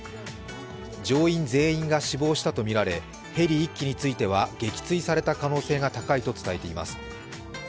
乗員全員が死亡したとみられヘリ１機については、撃墜された可能性が高いと伝えています。